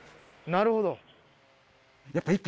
なるほど。